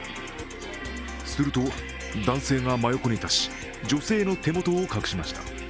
すると男性が真横に立ち、女性の手元を隠しました。